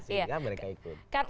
sehingga mereka ikut